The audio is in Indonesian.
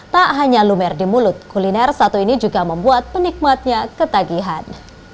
tak hanya lumer di mulut kuliner satu ini juga membuat penikmatnya ketagihan